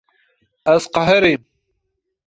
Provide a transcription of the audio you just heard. Ez qeherîm.